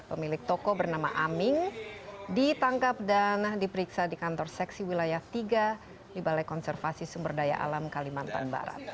pemilik toko bernama aming ditangkap dan diperiksa di kantor seksi wilayah tiga di balai konservasi sumber daya alam kalimantan barat